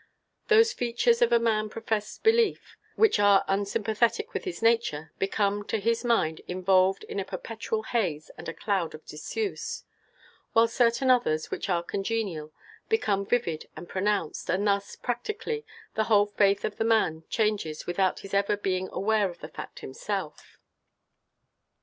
Those features of a man's professed belief which are unsympathetic with his nature become to his mind involved in a perpetual haze and cloud of disuse; while certain others, which are congenial, become vivid and pronounced; and thus, practically, the whole faith of the man changes without his ever being aware of the fact himself.